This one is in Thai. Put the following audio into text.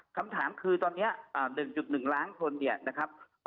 คำถามคือตอนนี้๑๑ล้านคนเนี่ยนะครับ